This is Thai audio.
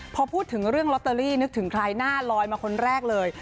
พอพูดถึงเรื่องลอตเตอรี่นึกถึงใครหน้าลอยมาคนแรกเลย